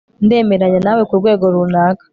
ndemeranya nawe kurwego runaka